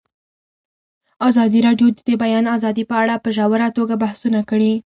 ازادي راډیو د د بیان آزادي په اړه په ژوره توګه بحثونه کړي.